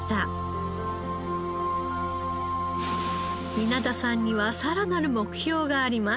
稲田さんにはさらなる目標があります。